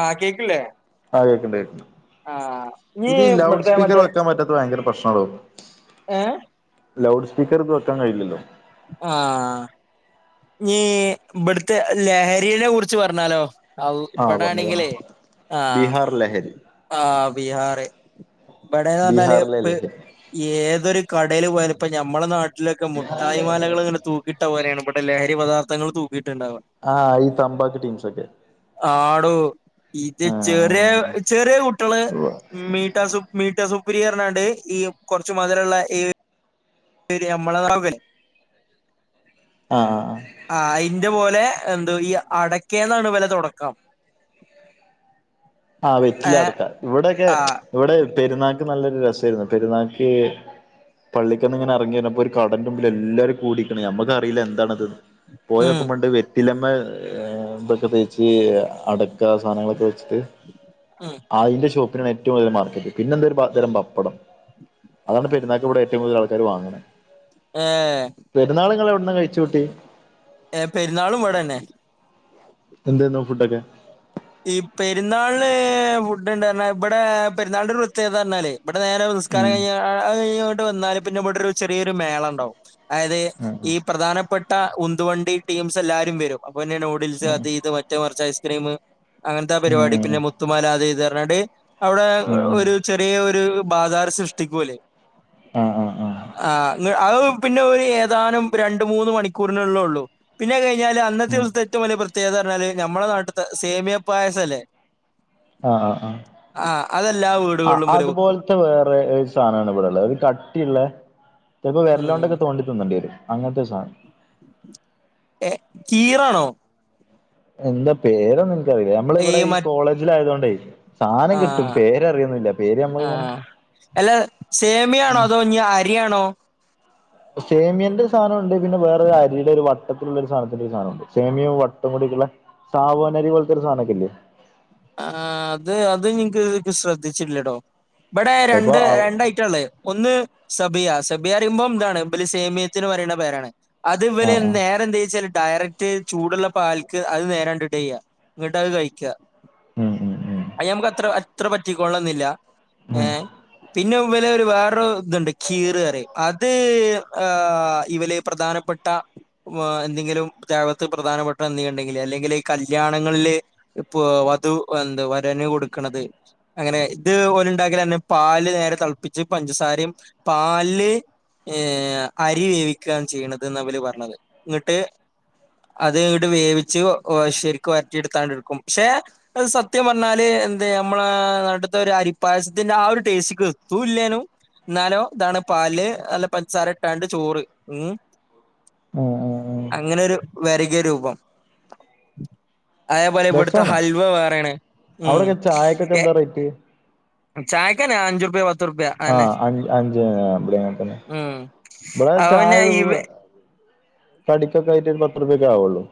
ആഹ് കേക്കില്ലേ ആഹ് കേക്ക്ണ്ട് കേക്ക്ണ്ട് ആഹ് നീ ഇത് ലൗഡ് ഇവിടുത്തെ സ്പീക്കർ മറ്റേ വെക്കാൻ പറ്റാത്ത ഭയങ്കര പ്രശ്നം അവളൊ. [unintelligible] ഏഹ് ലൗഡ് സ്പീക്കർ വെക്കാൻ കഴയുന്നില്ല. ആഹ് ഈ ഇവുടുത്തെ ലഹരിനെ കുറിച്ച് പറഞ്ഞാലോ അളള ആ ഇവിടെ പറഞ്ഞു പറഞ്ഞു ആണെങ്കില് ആഹ് ബീഹാർ ലഹരി ആഹ് ബീഹാറ്. ഇവിടെന്ന് പറഞ്ഞാല് ബീഹാറിലെ ഇപ്പ ലഹരി - ഏതൊരു കടേല് പോയാലും ഇപ്പ ഞമ്മെടെ നാട്ടിലൊക്കെ മുട്ടായിമാലകളിങ്ങനെ തൂക്കിട്ട പോലേണ് ഇവിടുത്തെ - ലഹരി പദാർത്ഥങ്ങള് തൂക്കിയിട്ട്ണ്ടാവുക ആഹ് ഈ തമ്പാക്ക് ടീംസൊക്കെ. ആടോ ഇത് ആ ചെറിയ ചെറിയ കുട്യോള് മീട്ടാസു മീട്ടോ സുപ്പ്രിയനർഞാണ്ട് ഈ കൊർച്ച്‌ മതുരള്ള ഈ ശരി നമ്മളെ [unintelligible] ആഹ് ആഹ് ആഹ് അയ്ന്റെ പോലെ എന്തോ ഈ അടക്കേെന്നാണ് ഇവലെ തൊട്ക്കം ആഹ് വെറ്റില ഏ അട്ക്ക ഇവിടൊക്കെ ആ ഇവിടെ പെര്ന്നാക്ക് നല്ലൊരു രസേര്ന്ന് പെരുന്നാക്ക്. പള്ളിക്കന്ന്ങ്ങനെ എർങ്ങി വര്ന്പ്പോ ഒരു കടന്റുമ്പില് എല്ലാരും കൂടിക്ക്ണ്ട്. നമ്ക് അറീല്ല എന്താണത് ന്. ഉം പോയോക്കുമ്പണ്ട് വെറ്റിലമ്മെ ഇതൊക്കെ തേച്ച് അട ക സാധനങ്ങളൊക്കെ വെച്ച്ട്ട്. ഉം അയ്ന്റെ ഷോപ്പിനാണ് ഏറ്റവും വല്യ മാർക്കറ്റ്. പിന്നെന്താ ഒരു പതരം പപ്പടം. അതാണ് പെര്ന്നാക്ക് ഇവ്ടെ ഏറ്റവും കൂതൽ ആൾക്കാര് വാങ്ങ്ണ്. ഏഹ് പെരുന്നാള് ഇങ്ങള് എവിട്ന്നാ കഴിച്ചൂട്ടി? ഏഹ് പെരുന്നാളും ഇവടെന്നെ. എന്തേനു ഫുഡൊക്കെ? ഈ പെരുന്നാള് ഫുഡ്ണ്ട്ർഞ്ഞാ ഇപടെ പെരുന്നാളിൻ്റൊരു പ്രെത്യേനർറഞ്ഞാല്. ഇവിടെ നേരെ നിസ്കാരം ഉം കഴിഞ്ഞ് അതയ്ഞ് വന്നാല് പിന്നെ ഇവിട ഒരു ചെറിയൊരു മേളണ്ടാവും. ആയത് ഉം ഈ പ്രധാനപ്പെട്ട ഉത്നു വണ്ടി ടീംസ് എല്ലാരും വരും അപ്പൊന്നെ ന്യൂഡിൽസ് ഉം അത് ഇത് മറ്റേ മർച്ച് ഐസ്ക്രീം. അങ്ങൻത്തെ ആ പരിപാടി പിന്നെ മുത്തുമാലാ അത് ഇത് നർഞ്ഞാണ്ട് അവിടെ ഉം ഉം ഉം ഒരു ചെറിയ ഒരു. ബാധാർ സൃഷ്ടിക്കോല്. ആഹ്ആഹ് ആഹ് അത് പിന്നെ ഒരു ഏതാനും രണ്ട് മൂന്ന് മണിക്കൂറിന്ള്ളാ ഒള്ളു. പിന്നെഅത് കഴിഞ്ഞാല് അന്നത്തെ ഉം ദിവസത്തെ ഏറ്റവും വലിയ പ്രത്യേകതന്നർ ഞ്ഞാല് നമ്മുടെ നാട്ട്ത്തെ സേമിയ പായസം ല്ലേ. ആ ആ ആ ആഹ് അതെല്ലാ വീടുകളിലും ഇവര് വെക്കും. വേറെരു സാനാണ് ഇവിടെള്ള്. ഒരു കട്ടിള്ള ചെൽപ്പോ ഉം വെര്ലോണ്ടൊക്കെ തോണ്ടി തി ന്നണ്ടി വരും അങ്ങനത്തെ ഒരു സാനം ഏഹ് കീറാണോ എന്താ പേരും ഇൻക്കറയില്ല നമ്മളിവിടെ ഈ കോളേജില ആയതു കൊണ്ടേ ആഹ് നമ്മളിങ്ങനെ ആഹ് അല്ല സേമിയാണോ അതോഞ് അ രിയാണോ സേമിയന്റെ സധനമുണ്ട് പിന്നെ വേറൊരു അരിയുടെ ഒരു വട്ടത്തിലുള്ള ഒരു സാധനത്തിന്റെ ഒരു സാധനമുണ്ട് സേമിയം വട്ടം കൂടിട്ടുള്ള സാബൂന്നരി പോലത്തെ ഒരു സാധനക്കല്ലേ ആഹ് അത് അത് ഇൻക്ക് ശ്രദ്ധിച്ചില്ല ട്ടോ ഇവിടെ ചിലപ്പോ രണ്ട് ആഹ് രണ്ടഐറ്റള്ളേ ഒന്ന് സബിയാ സബിയാറിമ്പോം താണ് ഇബല് സേമിയത്തിന് പറയ്ണ പേരാണ്. അത് ഇവല് ആഹ് നേരെ എന്തെയ്യാച്ചാല് ഡയറക് റ്റ് ചൂട്ള്ള പാൽക്ക് അത് നേരണ്ടാടെയ്യ ഇങ്ങട്ട് അത് കഴിക്ക. ഉം ഉം ഉം അയ് നമുക്ക് അത്ര അത്ര പറ്റിക്കൊള്ളെന്നില്ല ഉം ഏഹ് പി ന്നൊ വലെ ഒര് വേറൊര് ഇത്ണ്ട് കീറ് പറയും അത് ഏഹ് ഇവല് പ്രധാനപ്പെട്ട എന്തെങ്കിലും ദേവത്ത് പ്രധാനപ്പെട്ട എന്ത് ഉണ്ടെങ്കിൽ അല്ലെങ്കിൽ ഈ കല്യാണങ്ങളില് ഇപ്പൊ വധു എന്ത് വരന് കൊടുക്കണത് അങ്ങനെ ഇത് ഓല ഉണ്ടാക്കൽ അന്നെ പാല് നേരെ തിളപ്പിച്ച് പഞ്ചസാരയും പാല് ഏഹ് അരി വേവിക്കുകയാണ് ചെയ്യണത്ന് ന് ഇവല് പറഞ്ഞത് ഇങ്ങട്ട് അത് ഇട് വേവിച്ച് ശരിക്കും വരറ്റി എടുത്താണ്ട്ടുക്കും പക്ഷെ അത് സത്യം പറഞ്ഞാല് എന്താ നമ്മള നാട്ട്ത്ത ഒരു അരിപ്പായസത്തിന്റെ ആ ഒരു ടേസ്റ്റ്ക്ക് എത്തൂല്ലനും എന്നാലോ ഇതാണ് പാല് അല്ല പഞ്ചാര ഇട്ടാണ്ട് ചോറ് ഉം ആഹ് ആഹ് ആഹ് അങ്ങനെരു വറകിയ രൂപം അതേപോലെ ഇവിടുത്തെ ഹൽവ വേറെ അവിടെൊക്കെ ചായക്കൊക്കെ എന്താ റേറ്റ് ചായക്കന്നെ അഞ്ചുറുപ്യ പത്തുറുപ്യ ആഹ അതന്നെ അഞ്ച് അഞ്ച് അടെ തന്നെ ഉം ഇടെ അത് ചായ പിന്നെ ഇവ കടിക്കൊക്കെ ആയിട്ട് ഒരു പത്ത് രൂപൊക്കെ ആവുള്ളൂ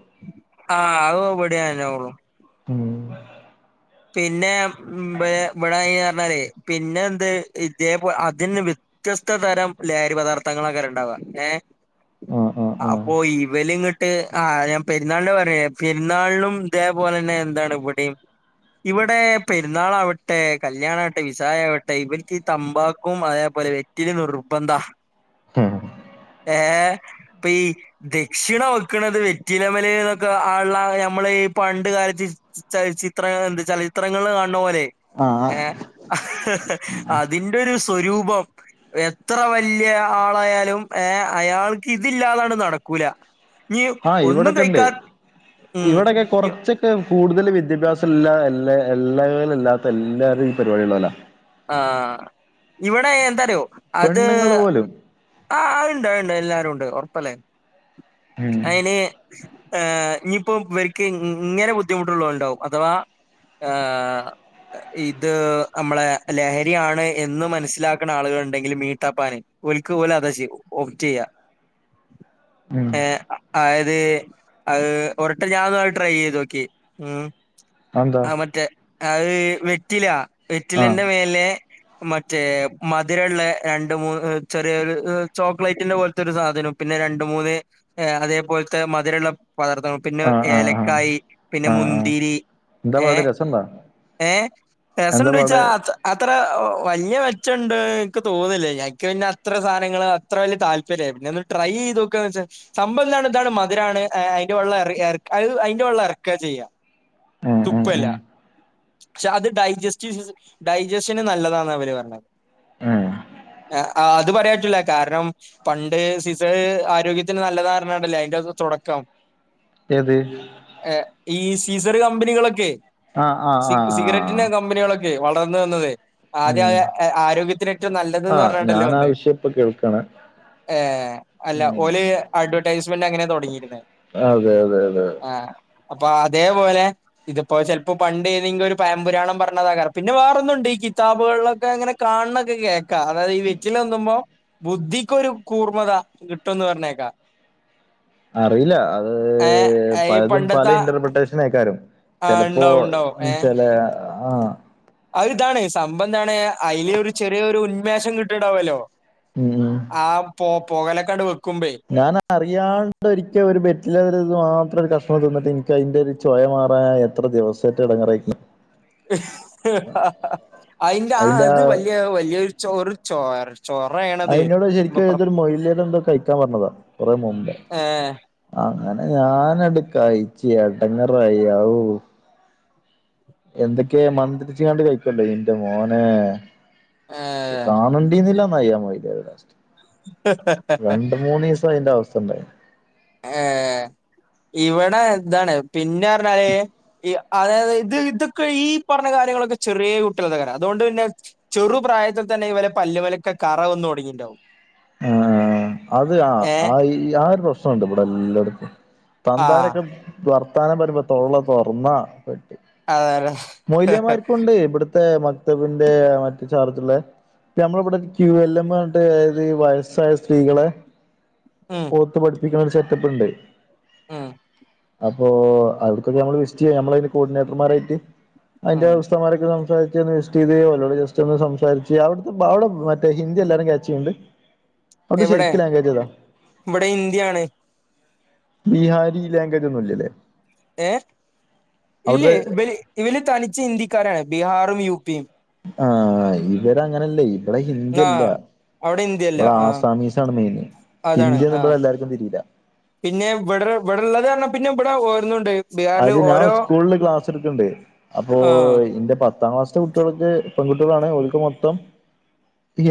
ആഹ് അത ബടിയഞ്ഞോളും ഉം പിന്നെടന്ന് പറഞ്ഞാലേ പിന്നെ എന്ത് ഇതേപ അതിന് വ്യത്യസ്ത തരം ലഹരി പദാർഥങ്ങളൊക്കെ ഉണ്ടവാുക ഏ ആഹ് ആഹ് അപ്പൊ ഈ വെലങ്ങട്ട് ് ആ് ഞാൻ പെരാളിന്റെ പറേ പെരുന്നാളിനും ഇതേപോലെ തന്നെ എന്താണ് ഇവിടെയും ഇവിടെ പെരുന്നാൾാവട്ടെ കല്യാണ ആവട്ടെ വിസായവട്ടെ ഇവർക്ക് ഈ തമ്പാക്കും അതേപോലെ ന്നന രുബന്ത ഏ പി ദക്ഷിണ വെക്ക്ണത് വെറ്റിലമല്ന്നൊക്ക ആള്ള ഞമ്മളീ പണ്ട് കാലത്ത് [unintelligible] ചത്ര എന്ത് ചലച്ചിത്രങ്ങ കാണണ പോലെ ആഹ് ആഹ് ഏ അതിന്റെ ഒരു സ്വരൂപം എത്ര വലിയ ആളായാലും ഏ അയാൾക്ക് ഇതില്ലാതാണ് നടക്കൂല നീ ആഹ് ഒന്നും ഇവിടൊക്കെ കൈക്കാ ഉം െ കൂടുതൽ വിദ്യാഭ്യാസംല്ലാ എല്ലാ എല്ലാവും ഇല്ലാത്ത എല്ലാവരും ഈ പരിപാടിയ ഉള്ളോ ല ആഹ ഇവിടെ എന്താറിയോ അത് പെണ്ണുങ്ങൾ പോലും ആഹ് അണ്ട് അണ്ട് എല്ലാരും ഉണ്ട് ഉറപ്പല്ലേ ഉം അയിന് ് ഇനിയിപ്പോ ഇവർക്ക് ഇങ്ങനെ ബുദ്ധിമുട്ടുള്ള ഉണ്ടാവും അഥവാ ഹ ഇത് നമ്മളെ ലഹരിയാണ് എന്ന് മനസ്സിലാക്കണ ആളുക ഉണ്ടെങ്കിൽ മീട്ടപ്പാന് ഒലക്ക് പോലെ അതാ ചെയ്യ ഓഫ് ചെയ്യാ ഉം ഏ അതത് അത് ഉറട്ടം ഞാന ട്രൈ ചെയ്ത് നോക്കി ഉ അതെന്താ ആ മറ്റേ അത് വെറ്റില വെറ്റില ആഹ് ൻ്റെമേലെ മറ്റേ മധുരുള്ള രണ്ട് മൂന്ന് ചെറിയൊരു ചോക്ലേറ്റിന്റെ പോലത്തെരു സാധനം പിന്നെ രണ്ട മൂന്ന് അതേപോലത്തെ മധുരമുള്ള പദാർത്ഥ പിന്നെ ആഹ് ആഹ് ആഹ് ഏലക്കായി പിന്നെ ആഹ് ആഹ് മുന്തിരി എന്താ പാട് ഏഹ രസണ്ടോ ഏ രസണ്ട എന്താ ചോയിച്ചാ പാട് അത്ര വല്ല്യ മെച്ചുണ്ട്, എനിക്ക് തോന്നുന്നില്ല. എനിക്ക് പിന്നെ അത്ര സാധനങ്ങൾ.. അത്ര വല്ല്യ താല്പര്യമായി പിന്ന ഒന്ന് ട്രൈ ചെയ്തു നോക്കാന്ന് വെച്ചാ.. സംഭവം ഇതാണ് മധുരണ് അതിന്റെ വെള്ളംത് അതിന്റെ വെള്ളം ഇറക്ക ചെയ്യുക. ഉം ഉം ഉം തുപ്പല്ല. പക്ഷെ അത് ഡൈജസ്റ്റ ഡൈജസ്ഷന് നല്ലതാന്നാ അവര് പറഞ്ഞത്. ഉം ആ അത് പറയാൻ പറ്റൂല്ല കാരണം പണ്ട് സീസർ ആരോഗ്യത്തിന് നല്ല ധാരണ ഉണ്ടല്ലേ അതിന്റെ തുടക്കം ഏത്.. ഈ സീസർ കമ്പനികളൊക്കെ. ആഹ് ആഹ് സി ആഹ് സിഗരറ്റിന്റെ ആഹ് കമ്പനികളൊക്കെ വളർന്നു വന്നതെ.. ആദ്യം ഉം ആ ആരോഗ്യത്തിന് ഏറ്റവും നല്ലതന്ന് ആഹ് പറഞ്ഞണ്ടല്ലോ ഞാൻ ആ വന്നേ വിഷയം ഇപ്പൊ കേൾക്കാണ് ഏ അല്ല ഉം ഓള് അഡ്വെർടൈസ്മെന്റ് അങ്ങനെ തുടങ്ങിയിക്കണ് അ'അതെ അതെ അതെ.. ! അപ്പൊ അതേപോലെ ഇതിപ്പോ ചിലപ്പോ പണ്ട്.. ഒരു പഴമ്പുരാണം പറഞ്ഞതാകാം. പിന്നെ വേറൊന്നുണ്ട് ഈ കിതാബുകളിലൊക്കെ അങ്ങനെ കാനുണൊക്കെ കേൾക്കാം അതായത് ഈ വെറ്റിലന്നുമ്പോ ബുദ്ധിക്കൊരു കൂർമത കിട്ടുംന്ന് പറഞ്ഞേക്കാ. അറിയില്ല അത്.... ഈ പലതും പല പണ്ടത്തെ ഇന്റർപ്രിട്ടേഷന ആക്കാരും ആഹ് ചെലപ്പോ.. ഉണ്ടാവും ഉണ്ടാവും ചെല ആഹ്.. അഹ്താണ്, സംമ്പന്താണ് അയി ല് ഒരു ചെറിയൊ ഒരു ഉന്മേഷം കിട്ടിണ്ടാവല്ലോ ഉം... ആ പോ പൊകലക്ക അങ്ങട് വെക്കുമ്പഴെ ഞാൻ അറിയാണ്ട് ഒരിക്കെ ഒരു ബെറ്റില്ല മാത്രം ഒരു കഷ്ണം തിന്നിട്ട് എനിക്ക് അതിന്റെറെ ഒരു.. ചൊയ മാറാൻ എത്ര ദിവസമായിട്ട് ഇടങ്ങറയിക്ക്ണ് ഉ [unintelligible] [inaudible] അതിന്റെ ആഹാ അത് വലിയ വലിയ ചോറ് ചൊ.. ചൊറയെ അതിനോട് ശരിക്കും ഏതൊരു മൊയില് എന്തോ കഴിക്കാൻ പറഞ്ഞതാ കുറെ മുമ്പേ ഏഹ് അങ്ങനെ ഞാൻ ആണ്ട് കഴിച്ച് എടങ്ങറായി... ആവു.. എന്തൊക്കെ മന്ത്രിച്ചുകണ്ട് കഴിക്കുടായിന്ന് ഇന്റെ മോനെ ഏഹ് കാണണ്ടീന്നില്ലന്നയ്യായി ലാസ്റ്റ് രണ്ട് മൂന്ന് ദിവസം അതിന്റെ അവസ്ഥ ഉണ്ടായി.. ഏഹ് ഇവിടെ ന്താണ് പിന്നെ പറഞ്ഞാല് അതായത് ഇത് ഇതൊക്കെ ഈ പറഞ്ഞ കാര്യങ്ങളൊക്കെ ചെറിയ കുട്ടികരം അതുകൊണ്ട് പിന്നെ ചെറു പ്രായത്തിൽ തന്നെ ഇവരുടെ പല്ലുമലൊക്കെ കറ വന്നും തുടങ്ങിയിണ്ടാവും. ആഹാാ അത് ആഹാ ഏഹ് ആ ആഹ ഒരു പ്രശ്നണ്ട് ഇവിടെ എല്ലാടത്തും... ആഹ് തന്താരൊക്കെ വർത്താനം പറയുമ്പോ തൊള്ള തൊറന്നാ പെട്ട് അതെ അതെ മൊലിയമാർക്കുണ്ട് ഇവിടുത്തെ ത്തെ മക്തവിന്റെ മറ്റ ചാർജുള്ളേ നമ്മളിവിടെ ക്യൂ വയസ്സായ സ്ത്രീകളെ മം ഓത്ത് പഠിപ്പിക്കുന്ന ഒരു സെറ്റപ്പ് ഇ ണ്ട് മം അപ്പോ അവർക്കൊക്കെ നമ്മള് വിസ്റ്റ് ചെയ്യാ നമ്മളതിന്റെ കോർഡിനേറ്റർമാരായിട്ട് അതിന്റെ ഉം ഉസ്താൻ മാരൊക്കെ സംസാരി... വിറ്റ് ചെയ്ത ജസ്റ്റ് ഒന്ന് സംസാരിച്ച് അവിടത്തെ അവിടെ മറ്റേ ഹിന്ദി എല്ലാരും ക്യാച്ചു ചെയ്യണ്ട് എവിടെ ഇവിടെ ഹിന്ദി ആണ് ബീഹാരി ലാംഗ്വേജ് ഒന്നും ഇല്ലല്ലേ? ഏഹ ഇല്ലേ അവിടുത്തെ ഇവല് തനിച്ച് ഇന്ത്യക്കാരാണ് ബീഹാറും യുപി യും. ആഹാാ ഇവര് അങ്ങനല്ലേ ഇവിടെ ആ ഹിന്ദിയല്ല അവിടെ ഇന്ത്യയല്ല ഇവിടെ ആ ആസാമീസ് ആണ് മെയിന് അതാണ് ആ ഹിന്ദിയൊന്നും ഇവിടെ എല്ലാവർക്കും തിരിയില്ല പിന്നെ ഇവിടെ ഇവിവിടെള്ള ത്ത് പിന്നെ ഇവിടെ ഒരോന്ന്ണ്ട് അത് ഞാൻ സ്കൂളിൽ ക്ലാസ് എടുക്കണ്ട് അപ്പോ ആ എന്റെ പത്താം ക്ലാസ് കുട്ടികളൊക്കെ പെൺകുട്ടികളാണ് ഓല്ക്ക് മൊത്തം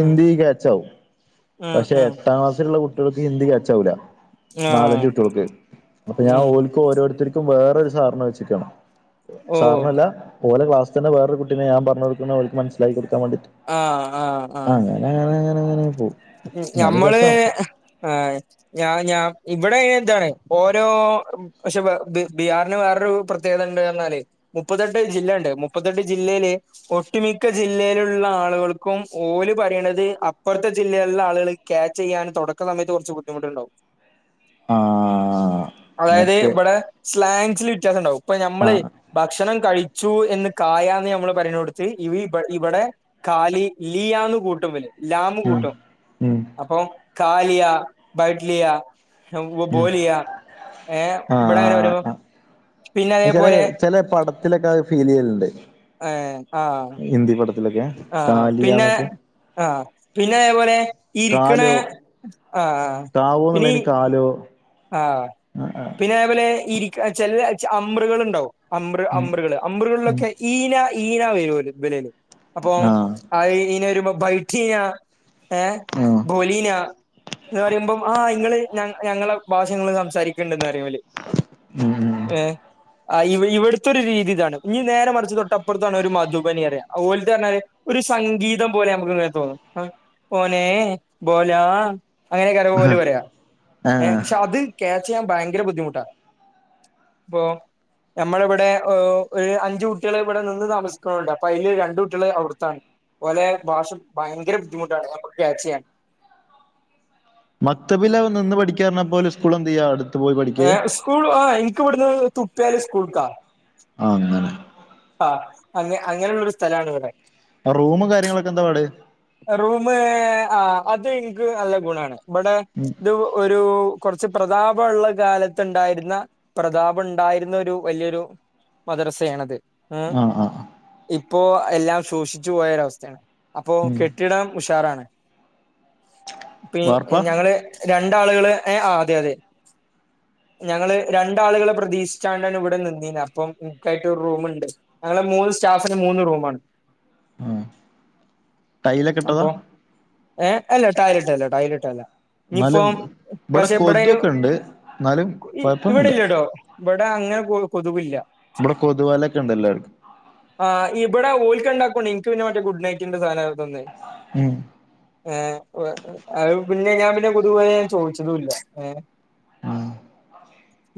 ഉം കെച്ചാവും ഉം പക്ഷെ ഉം എട്ടാം ക്ലാസ്സിലുള്ള കുട്ടികൾക്ക് ഹിന്ദി കെച്ചാവൂല ആ നാലഞ്ച് കുട്ടിയാൾക്ക് അപ്പൊ ഞാൻ ഉം ഓല് ഓരോരുത്തർക്കും വേറൊരു സാർനെ വെച്ചക്കാണ് ഓ സാർനെല്ല ഓല്ലെ ക്ലസ്തന്നെ വേറെയൊരു കുട്ടിനെ ഞാൻ പറഞ്ഞ കൊടുണേ മനസിലാക്കി കൊടുക്കാൻവേണ്ടിട്ട് ആഹാ ആഹാ ആഹാ അങ്ങനെ അങ്ങനെ അങ്ങനെ പോവും ഉം എന്നാലും നമ്മള് രസാണ് ആ ഞാ ഞാൻ ഇവിടെ ഇതാണ് ഓരോ പക്ഷെ ഇത് ബീഹാറിന് വേറൊരു പ്രത്യേകത ഉണ്ട്ന്ന് പറഞ്ഞാൽ മുപ്പത്തെട്ട് ജില്ലണ്ട് മുപ്പത്തെട്ട് ജില്ലയിൽ ഒട്ടുമിക്ക ജില്ലയിലുള്ള ആളുകൾക്കും ഓല് പറയിണത് അപ്പുറത്തെ ജില്ലയിലെ ആളുകൾ ക്യാച്ച് ചെയ്യാൻ തുടക്ക സമയത്ത് കുറച്ച് ബുദ്ധിമുട്ടുണ്ടാവും ആഹ് അതായത് മറ്റേ ഇവിടെ സ്ലാങ്സിൽ വ്യത്യാസം ഉണ്ടാവും ഇപ്പൊ നമ്മൾ ആഹ് ഭക്ഷണം കഴിച്ചു എന്ന് കായന്ന് നമ്മള് പറിണയിടത് ഇവിടെ കാലി ലിയന്ന് കൂട്ടും ലാമ കൂട്ടും. മമം അപ്പൊ കാലിയാ ബഡലിയാ ഉം ബോലിയാ ഏ ഇവിടെരോരോ ചില ചില പടത്തിലൊക്കെ ഫീൽ ചെയ്യലുണ്ട്. ഏഹ് ആഹാ ഹിന്ദി പഠത്തിലൊക്കെ ആഹാ പിന്നെ ആഹാ പിന്നെ അതേപോലെ ഇരിക്ണെ കാലോ ആഹാ പിന്നെ ഇനി ഏഹോ ആഹാ പിന്നെ അതേപോലെ ഇരികണെ ചില അമൃർകൾ ഇണ്ടാവും അമൃർ അമൃർകൾ അമൃർകൾകളിലൊക്കെ ഈന ഈന വരുവല് അപ്പൊ ആഹ് ഹാ ഈനൊ വരുമ്പൊ ബൾജിയ ഏഹ ഉം ബൊലീന എന്ന് പറയുമ്പോം ആഹ് ഇങ്ങള് ഞ ഞങ്ങളെ ഭാഷകൾ സംസാരിക്കണ്ടന്ന് അറിയും ഇവല് ഉം ആ ഇവിടുത്തെൊരു രീതി ഇതാണ് ഇനി നേരെ മറിച്ച തൊട്ടപ്പുറത്താണ് ഒരു മധുബനി അറിയ ഓർലത് പറഞ്ഞല് ഒരു സംഗീതം പോലെ നമുക്ക് ഇങ്ങന തോന്നും ബൊലേ ബോലാ അങ്ങനെക്കരം ഓല് പറയാ ഏ ആഹാ പക്ഷെ അത് ക്യാച്ച് ചെയ്യാൻ ഭയങ്കര ബുദ്ധിമുട്ടാ ഇപ്പൊ നമ്മള ഇവിടെ ഒരു അഞ്ച് കുട്ടികെ ഇവിടെ നിന്ന് താമസിക്കണ്ട് അപ്പൊ അതില് രണ്ട് കുട്ടികളെ അവിടുത്താണ് ഓലെ ഭാഷ ഭയങ്കര ബുദ്ധിമുട്ടാണ് നമുക്ക് ക്യാച്ച് ചെയ്യാൻ മത്തബില അവ നിന്ന് പഠിക്കാ പറഞ്ഞാ പോലെ സ്കൂൾ എന്ത് ചെയ്യാ അടുത്ത് പോയി പഠിക്കയേ സ്കൂൾ ആ ഇനിക്ക് ഇവിടുന്ന് തുപ്പിയാല് സ്കൂൾക്കാ ആ അങ്ങനെ ആ അങ്ങ അങ്ങനെയുള്ളൊരു സ്ഥലാണ് ഇവിടെ ആ റൂമ് കാര്യങ്ങളൊക്കെ എന്താ പാട് റൂമ് ആഹാ അത് ഇനിക്ക് നല്ല ഗുണാണ് ഇബടെ ഉം ഇത് ഒരു കുറച്ച് പ്രതാപഉള്ള കാലത്തുണ്ടായിരുന്ന പ്രതാപ ഉണ്ടായിരുന്ന ഒരു വലിയൊരു മദ്രസയാണത് ഉം ആഹ് ആഹ് ഇപ്പോ എല്ലാം ശൂഷിച്ചു പോയൊരവസ്ഥയാണ് അപ്പൊ ഉം കെ ഉഷാറാണ് പ്പി വാർപ്പാ ഞങ്ങള് രണ്ടാളുകള് ഏ ആഹാ അതെ അതെ ഞങ്ങള് രണ്ടാളുകളെ പ്രതീക്ഷിച്ചണ്ടാണ് ഇവിടെ നിന്നീന് അപ്പോ എനിക്കായിട്ട് ഒരു റൂമുണ്ട് ഞങ്ങള് മൂന്ന് സ്റ്റാഫിന് മൂന്ന് റൂം ആണ് ആഹാ അപ്പൊ ഏ അല്ല ടൈല് ഇട്ടല്ല ടൈല് ഇട്ടല്ല ഇനി ഇപ്പൊ എന്നാലും ഇവിടെ പക്ഷേ ഇവിടയും കൊതുവൊക്കെ ഉണ്ട് എന്നാലും ഈ ഇവിടെ കൊഴപ്പൊന്നുമില്ല ഇല്ലട്ടോ ഇവിടെ അങ്ങനെ കൊ കൊതുകില്ല ഇവിടെ കൊതുവലെ ഒക്കെ ഉണ്ടല്ലാ എല്ലാർക്കും ആഹാ ഇവിടെ ഓല്ക്ക് രണ്ടാക്കും ഇണ്ട് ഇനിക്ക് പിന്നെ മറ്റേ ഗുഡ് നൈിന്റെ സാധന തന്നേ ഉം ഏ ഒ ഔ പിന്നെ ഞാൻ പിന്നെ കൊതുവല ഞാൻ ചോദിച്ചതും ഇല്ല ഏ ഉം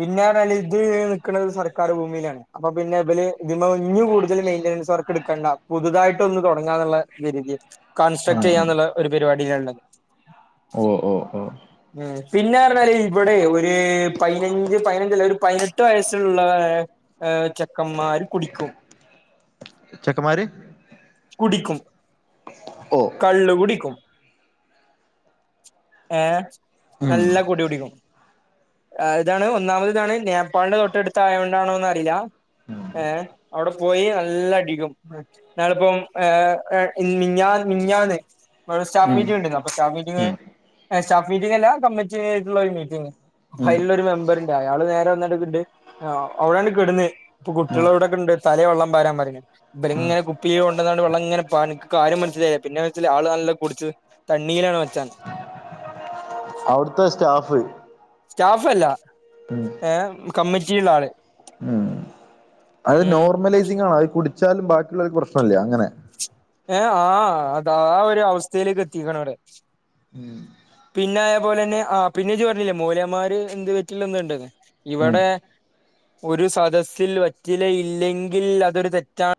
പിന്നെ പറഞ്ഞാല്ഇത് നിക്കണത് ത്സർക്കാർ ഭൂമിയിലാണ് അപ്പ പിന്നെ ഇവല് ഇതിമേ ഇഞ്ഞും കൂടുതൽ മെയിന്റനൻസ് വർക്ക് എടുക്കണ്ട പുതുതായിട്ട് ഒന്ന് തുടങ്ങാന്നുള്ള [unintelligible] ആ കൺസ്ട്രക്ട് ആ ചെയ്യാന്നുള്ള ഒരു പരിപാടിയില് ആണ് ഒള്ളത് ഓ ഓ ഓ ഉം പിന്നെ പറഞ്ഞാല് ഇവിടെ ഒരു പയിനഞ്ച് പയിനഞ്ച് അല്ല ഒരു പതിനെട്ട് വയസ്സ് ഒള്ള ഏ ചെക്കന്മാര് കുടിക്കും ചെക്കമ്മാര് കുടിക്കും ഓ കള്ള് കുടിക്കും ഏ ഉം നല്ല കുടി കുടിക്കും ഇതാണ് ഒന്നാമത് ഇതാണ് നേപ്പാളിന്റെ തൊട്ട് അടുത്ത് ആയോണ്ട് ആണോന്ന് അറിയില്ല ഏഹ് അവിടെ പോയി നല്ല അടിക്കും ഉം നല്ലപ്പം എ എ മിനിഞ്ഞാന്ന് മിനിഞ്ഞാന്ന് മന സ്റ്റാഫ് ഉം ഉം മീറ്റിംഗ് ഉണ്ടായിരുന്നു അപ്പൊ സ്റ്റാഫ് മീറ്റിംഗ് ഉം സ്റ്റാഫ് മീറ്റിംഗ് അല്ല കമ്മിറ്റി ആയിട്ട് ഉള്ള ഒരു മീറ്റിംഗ് ഉം അയിലുള്ളൊരു മെമ്പറ് ഇണ്ട് അയാള് നേരെ ഒന്ന് എടവിട്ട് ആ അവിടാണ് കിടന്നെ ഇപ്പൊ ഉം കുട്ടികള് അവിടെ ഒക്കെ ഇണ്ട് തലേ വെള്ളം പരൻ പറഞ്ഞു ഇ ഇങ്ങനെ കുപ്പിയോ വല്ലാണ്ട് വെള്ളം ഇങ്ങനെ പാനിക്ക് കാരും മനസ്സിലായില്ല പിന്നെ ചെല ആൾ നല്ല കുടിച്ച് തണ്ണിയിലാണ് മച്ചാൻ അവിടുത്തെ സ്റ്റാഫ് സ്റ്റാഫ് അല്ല ഉം ഏ കമ്മിറ്റിള്ള ആള് ഉം അത് ഉം നോർമലൈസിംഗ് ആണ് അത് കുടിച്ചാലും ബാക്കിയുള്ളവർക്ക് പ്രശ്നം ഇല്ല അങ്ങനെ ഏ ആ അതാ ഒരു അവസ്ഥയിലേക്ക് എത്തിക്കണ അട് ഉം പിന്നെ ആയപോലെ തന്നെ ആ പിന്നെ ജ്ജ് പറഞ്ഞില്ലേ മൂലേന്മാര് എന്ത് പറ്റില്ല എന്ന്ണ്ട ഉം ഇവിടെ ഒരു സദസ്സിൽ വെറ്റില ഇല്ലെങ്കിൽ അതൊരു തെറ്റാണ്